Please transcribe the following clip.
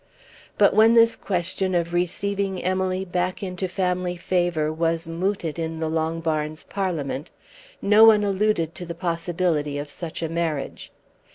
But when this question of receiving Emily back into family favour was mooted in the Longbarns Parliament no one alluded to the possibility of such a marriage.